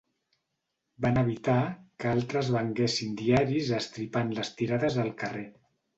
Van evitar que altres venguessin diaris estripant les tirades al carrer.